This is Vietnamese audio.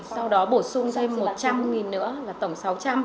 sau đó bổ sung thêm một trăm linh nữa là tổng sáu trăm linh